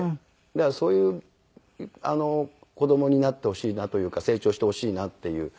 だからそういう子供になってほしいなというか成長してほしいなっていう。